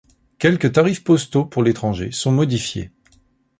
Quelques tarifs postaux pour l'étranger sont modifiés.